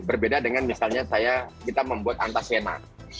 berbeda dengan misalnya kita membuat antasena